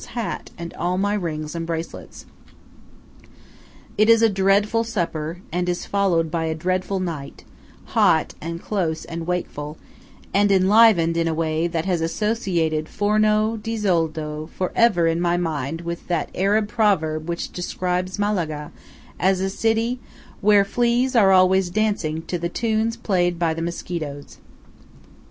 's hat and all my rings and bracelets. It is a dreadful supper, and is followed by a dreadful night–hot, and close, and wakeful, and enlivened in a way that has associated Forno di Zoldo for ever in my mind with that Arab proverb which describes Malaga as a city "where the fleas are always dancing to the tunes played by the mosquitoes."